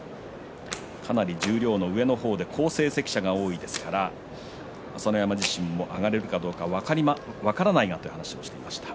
かなり十両の上の方で好成績者が多いですから朝乃山自身も上がれるかどうか分からないかという話をしていました。